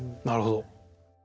なるほど。